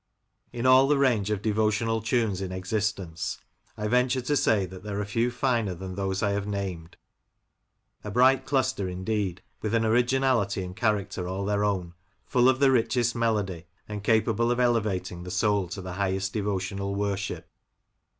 In all the range of devotional tunes in existence, I venture to say there are few finer than those I have named — a bright cluster, indeed, with an originality and character all their own, full of the richest melody, and capable of elevating the soul to the highest devotional worship.